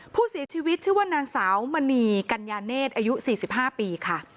ผู้เสียชีวิตชื่อว่านางสาวมณีกัญญาเนธอายุ๔๕ปีค่ะ